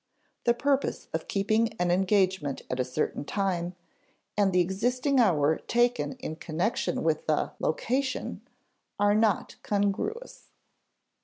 The purpose of keeping an engagement at a certain time, and the existing hour taken in connection with the location, are not congruous.